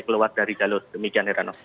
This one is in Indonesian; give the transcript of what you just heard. keluar dari jalur demikian heranov